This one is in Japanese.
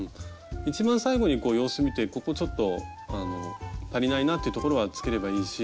一番最後に様子見てここちょっとあの足りないなというところはつければいいし。